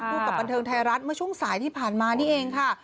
พูดกับบันเทิงไทยรัฐเมื่อช่วงสายที่ผ่านมานี่เองค่ะ